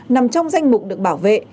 nằm trong danh mục được bảo vệ